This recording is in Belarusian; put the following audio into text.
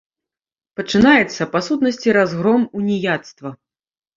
Пачынаецца, па сутнасці, разгром уніяцтва.